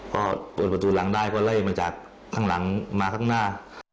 ก็เปิดประตูหลังได้ก็ไล่มาจากข้างหลังมาข้างหน้า